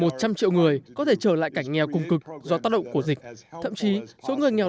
một trăm linh triệu người có thể trở lại cảnh nghèo cùng cực do tác động của dịch thậm chí số người nghèo